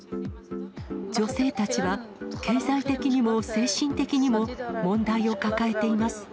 女性たちは経済的にも精神的にも問題を抱えています。